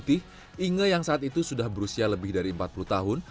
inge yang saat itu sudah berusia lebih dari empat puluh tahun